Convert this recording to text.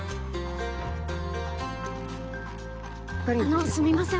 あのすみません